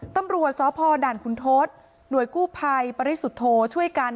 ตำรวจสพด่านคุณทศหน่วยกู้ภัยปริสุทธโธช่วยกัน